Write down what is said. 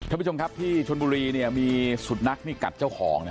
คุณผู้ชมครับที่ชนบุรีมีสุดนักกัดเจ้าของ